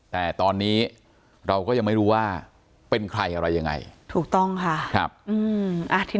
แต่ตอนนี้เราก็ยังไม่รู้ว่าเป็นใครอะไรยังไงถูกต้องค่ะครับ